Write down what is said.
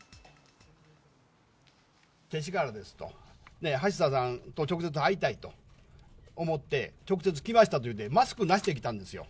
勅使河原ですと、橋田さんと直接会いたいと思って、直接来ましたと言って、マスクなしで来たんですよ。